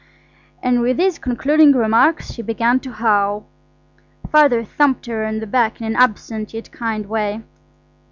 and with these concluding remarks she began to howl. Father thumped her on the back in an absent yet kind way.